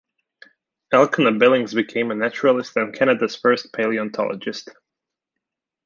Elkanah Billings became a naturalist and Canada's first paleontologist.